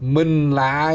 mình là ai